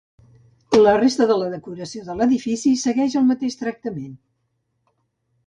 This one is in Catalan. La resta de la decoració de l'edifici segueix el mateix tractament.